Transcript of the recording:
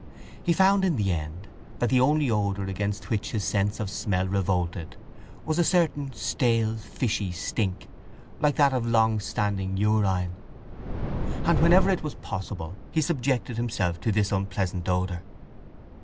He found in the end that the only odour against which his sense of smell revolted was a certain stale fishy stink like that of longstanding urine; and whenever it was possible he subjected himself to this unpleasant odour.